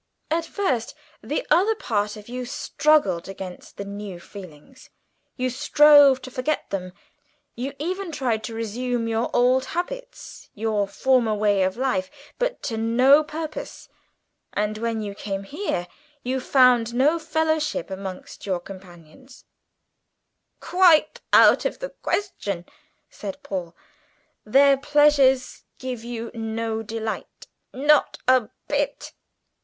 "At first the other part of you struggled against the new feelings. You strove to forget them you even tried to resume your old habits, your former way of life but to no purpose; and when you came here, you found no fellowship amongst your companions " "Quite out of the question!" said Paul. "Their pleasures give you no delight " "Not a bit!"